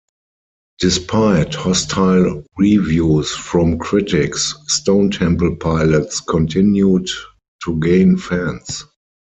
Despite hostile reviews from critics, Stone Temple Pilots continued to gain fans.